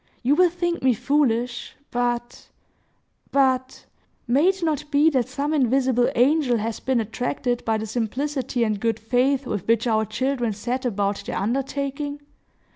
You will think me foolish,—but—but—may it not be that some invisible angel has been attracted by the simplicity and good faith with which our children set about their undertaking?